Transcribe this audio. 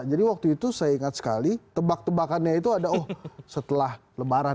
jadi waktu itu saya ingat sekali tebak tebakannya itu ada oh setelah lebaran